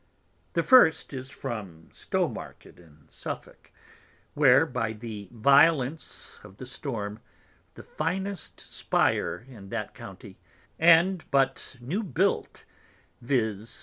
The first is from Stowmarket in Suffolk, where, by the Violence of the Storm, the finest Spire in that County, and but new built, _viz.